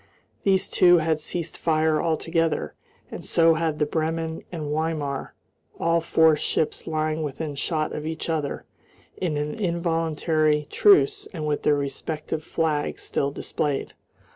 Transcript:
These two had ceased fire altogether, and so had the Bremen and Weimar, all four ships lying within shot of each other in an involuntary truce and with their respective flags still displayed.